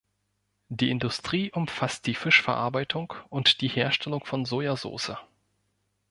Die Industrie umfasst die Fischverarbeitung und die Herstellung von Sojasauce.